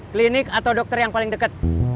klinik atau dokter yang paling dekat